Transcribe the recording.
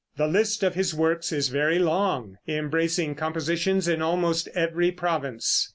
The list of his works is very long, embracing compositions in almost every province.